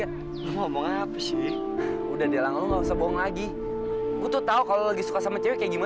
ya kok segitu doang sih